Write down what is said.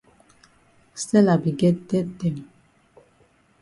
Stella be get debt dem.